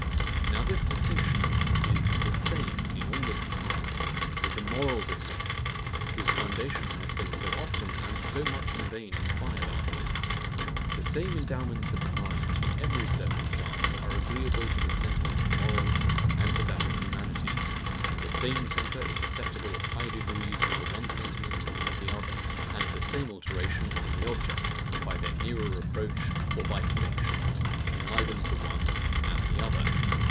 Now this distinction is the same in all its parts, with the MORAL DISTINCTION, whose foundation has been so often, and so much in vain, enquired after. The same endowments of the mind, in every circumstance, are agreeable to the sentiment of morals and to that of humanity; the same temper is susceptible of high degrees of the one sentiment and of the other; and the same alteration in the objects, by their nearer approach or by connexions, enlivens the one and the other.